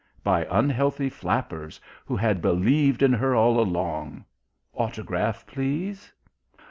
by unhealthy flappers who had Believed in her all along (autograph, please).